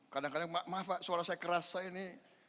kadang kadang maaf pak suara saya kerasa ini